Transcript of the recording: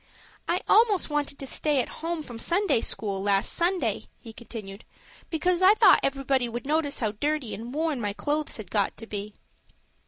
"I almost wanted to stay at home from Sunday school last Sunday," he continued, "because I thought everybody would notice how dirty and worn my clothes had got to be."